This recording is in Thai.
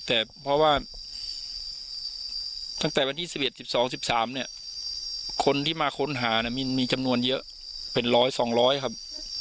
แต่เพราะว่าตั้งแต่วันที่๑๑๑๒๑๓คนที่มาค้นหามีจำนวนเยอะเป็นร้อยสองร้อยครับ